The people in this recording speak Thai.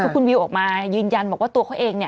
คุณวิวออกมายืนยันว่าตัวเขาเอง